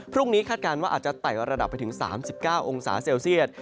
คาดการณ์ว่าอาจจะไต่ระดับไปถึง๓๙องศาเซลเซียต